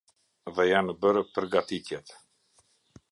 Dhe janë bërë përgatitjet.